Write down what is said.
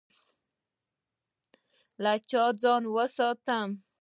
له چا ځان وساتم؟